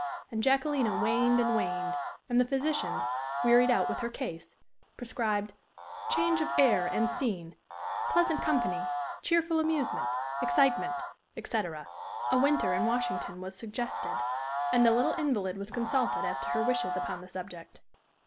And Jacquelina waned and waned. And the physicians, wearied out with her case, prescribed "Change of air and scene pleasant company cheerful amusement excitement," etc. A winter in Washington was suggested. And the little invalid was consulted as to her wishes upon the subject.